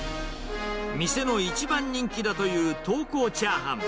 店の一番人気だという東光チャーハン。